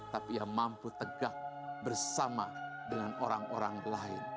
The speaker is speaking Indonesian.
tapi ia mampu tegak bersama dengan orang orang lain